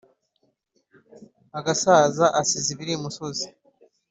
Agasaza asize iribi imusozi.